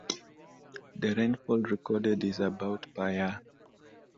The rainfall recorded is about per year.